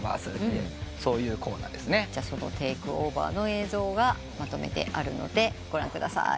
じゃあそのテイクオーバーの映像がまとめてあるのでご覧ください。